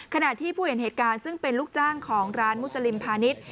ขณะที่ผู้เห็นเหตุการณ์ซึ่งเป็นลูกจ้างของร้านมุสลิมพาณิชย์